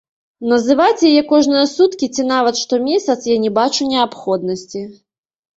Называць яе кожныя суткі ці нават штомесяц я не бачу неабходнасці.